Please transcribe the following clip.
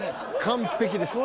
完璧です。